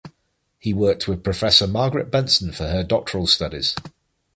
She worked with Professor Margaret Benson for her doctoral studies.